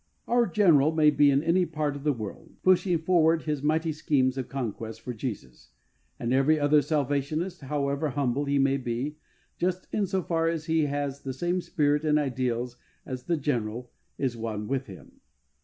Our General may be hi any part of the world, pushing forward his mighty schemes of conquest for Jesus, and every other Salvationist, however humble he may be, just in so far as he has the same spirit and ideals as The General, is one with him.